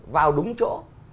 vào đúng chỗ